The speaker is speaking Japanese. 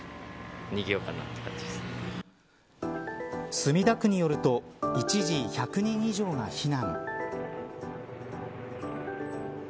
墨田区によると一時１００人以上が避難。